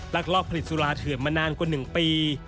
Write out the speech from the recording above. ลักลอบผลิตสุราเถื่อนมานานกว่า๑ปี